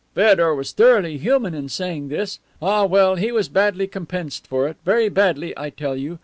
"Feodor was thoroughly human in saying this. Ah, well, he was badly compensed for it, very badly, I tell you.